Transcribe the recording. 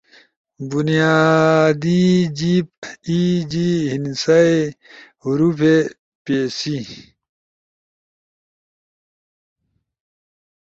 بنیادی جیِب [ای۔ جی۔ ہندسہ ئی، حروفے، پیسی]